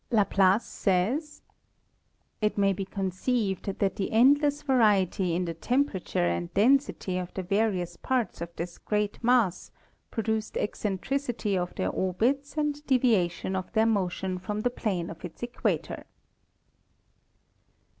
Laplace says: "It may be conceived that the endless variety in the temperature and density of the various parts of this great mass produced eccentricity of their orbits and deviation of their motion from the plane of its equator."